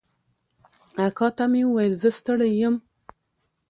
اکا ته مې وويل زه ستړى يم.